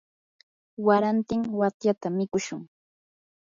warantin watyatam mikushun.